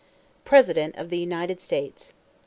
PRESIDENT OF THE UNITED STATES.